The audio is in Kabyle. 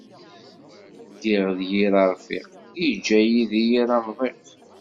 Ddiɣ d yir aṛfiq, iǧǧa-yi deg yir amḍiq.